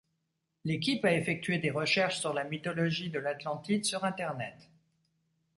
L'équipe a effectué des recherches sur la mythologie de l'Atlantide sur Internet.